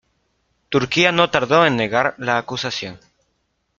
Turquía no tardó en negar la acusación.